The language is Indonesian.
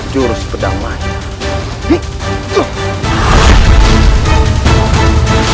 jurus pedang maya